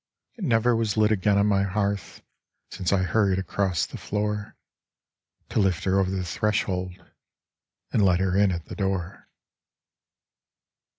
It never was lit again on my hearth Since I hurried across the floor, To lift her over the threshold, and let her in at the door.